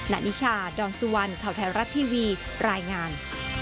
นิชาดอนสุวรรณข่าวไทยรัฐทีวีรายงาน